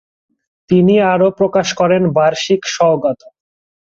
তিনি আরও প্রকাশ করেন বার্ষিক সওগাত।